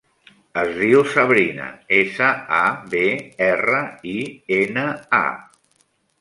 Es diu Sabrina: essa, a, be, erra, i, ena, a.